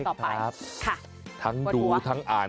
ค่ะทั้งดูทั้งอ่าน